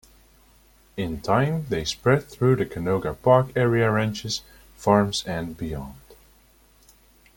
In time they spread though the Canoga Park area ranches, farms and beyond.